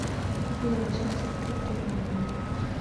د انرژۍ سکتور ډیر عاید لري.